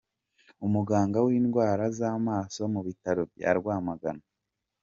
Umuganga w’indwara z’amaso mu bitaro bya Rwamagana, Dr.